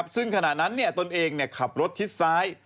ซึ่งขณะนั้นตนเองขับรถทิศซ้าย